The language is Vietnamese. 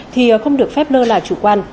thì không được phép lơ là chủ quan